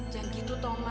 jangan gitu toh mak